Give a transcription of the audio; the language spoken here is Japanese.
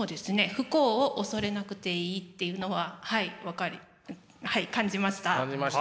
不幸を恐れなくていいっていうのははい感じました。